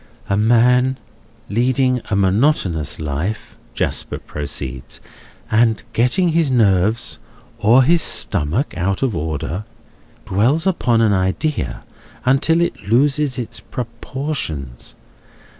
"A man leading a monotonous life," Jasper proceeds, "and getting his nerves, or his stomach, out of order, dwells upon an idea until it loses its proportions.